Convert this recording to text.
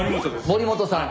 森本さん。